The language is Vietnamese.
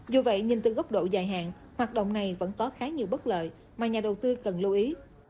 dù vậy nhìn từ góc độ dài hạn hoạt động này vẫn có khá nhiều bất lợi mà nhà đầu tư cần lưu ý